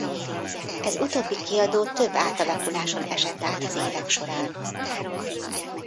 Ez utóbbi kiadó több átalakuláson eset át az évek során.